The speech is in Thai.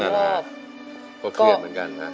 ก็เครียดเหมือนกันนะ